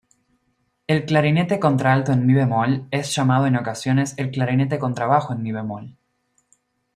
El clarinete contralto en mi♭es llamado en ocasiones el "clarinete contrabajo en mi♭".